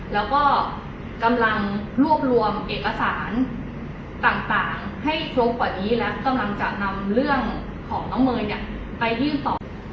แล้วก็กำลังรวบรวมเอกสารต่างให้ครบกว่านี้และกำลังจะนำเรื่องของน้องเมย์เนี่ยไปยื่นต่อ